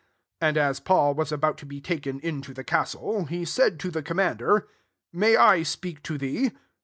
S7 And as Paul was about to be taken into the castle, he said to the commander, " May I speak to thee?"